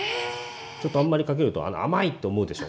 ちょっとあんまりかけると甘いって思うでしょ？